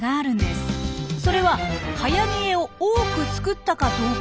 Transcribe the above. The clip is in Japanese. それははやにえを多く作ったかどうか。